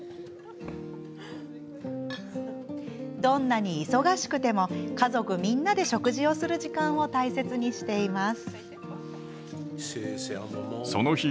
どんなに忙しくても家族みんなで食事をする時間を大切にしています。